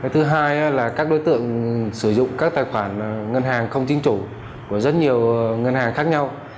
thứ hai là các đối tượng sử dụng các tài khoản ngân hàng không chính chủ của rất nhiều ngân hàng khác nhau